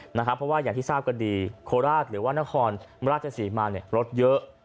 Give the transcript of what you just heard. เพราะว่าอย่างที่ทราบกันดีโคราชหรือว่านครราชศรีมารถเยอะ